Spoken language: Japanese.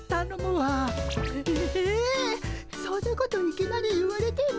そんなこといきなり言われても。